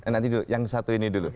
nanti yang satu ini dulu